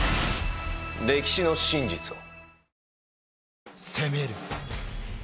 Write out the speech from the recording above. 歴史の真実を。